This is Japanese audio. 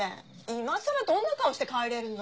今さらどんな顔して帰れるの。